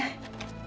ini ada sesuatu